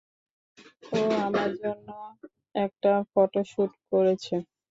ও আমার জন্য একটা ফটোশুট করেছে।